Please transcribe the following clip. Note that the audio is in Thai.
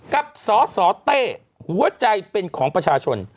กับสสเต้หัวใจเป็นของประชาชน